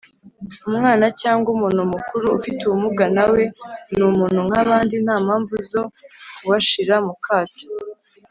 umwana cyangwa umuntu mukuru ufite ubumuga nawe numuntu nkabandi ntampamvu zokubashira mu kato